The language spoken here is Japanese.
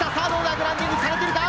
グランディングされているか？